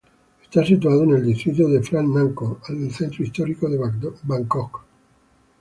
Está situado en el distrito de Phra Nakhon, el centro histórico de Bangkok.